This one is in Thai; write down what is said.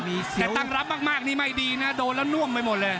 แต่ตั้งรับมากนี่ไม่ดีนะโดนแล้วน่วมไปหมดเลย